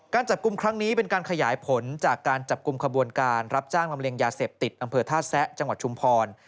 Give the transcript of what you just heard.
จับกลุ่มครั้งนี้เป็นการขยายผลจากการจับกลุ่มขบวนการรับจ้างลำเลียงยาเสพติดอำเภอท่าแซะจังหวัดชุมพร